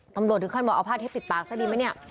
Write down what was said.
ตำรวจทุกคนบอกเอาผ้าเทศปิดปากซะดีมั้ยเนี่ย